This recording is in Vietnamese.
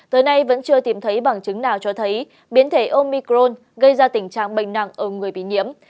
tới nay vẫn chưa tìm thấy bằng chứng nào cho thấy biến thể omicron gây ra tình trạng bệnh nặng ở người bị nhiễm